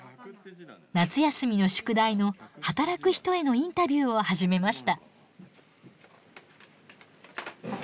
夏休みの宿題の「働く人へのインタビュー」を始めました。